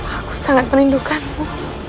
aku sangat menindukanmu